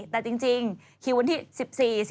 แต่จริงคิววันที่๑๔